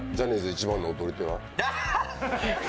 一番の踊り手⁉